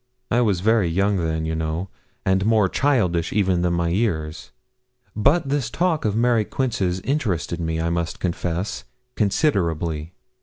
I was very young then, you know, and more childish even than my years; but this talk of Mary Quince's interested me, I must confess, considerably.